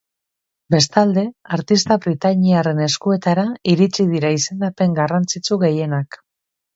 Bestalde, artista britainiarren eskuetara iritsi dira izendapen garrantzitsu gehienak.